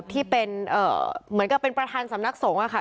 ที่เป็นเหมือนกับเป็นประธานสำนักสงฆ์ค่ะ